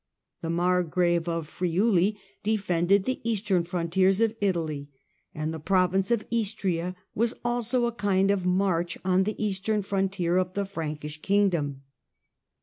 The Margrave of Friuli defended the eastern frontiers of Italy, and the province of Istria was also a kind of March on the eastern frontier of the Frankish kingdom.